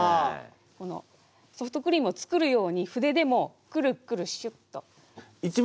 このソフトクリームを作るように筆でもクルクルシュッと。